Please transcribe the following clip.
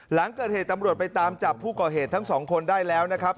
หลังเกิดเหตุตำรวจไปตามจับผู้ก่อเหตุทั้งสองคนได้แล้วนะครับ